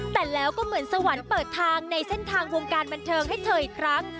แต่แล้วก็เหมือนสวรรค์เปิดทางในเส้นทางวงการบันเทิงให้เธออีกครั้ง